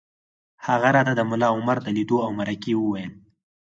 هغه راته د ملا عمر د لیدو او مرکې وویل